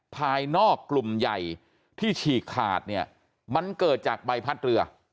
ภายนอกกลุ่มใหญ่ที่ฉีกขาดเนี่ยมันเกิดจากใบพัดเรือ